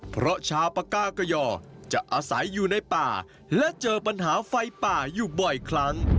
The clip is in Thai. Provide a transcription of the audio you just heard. เพราะชาวปากกากยอจะอาศัยอยู่ในป่าและเจอปัญหาไฟป่าอยู่บ่อยครั้ง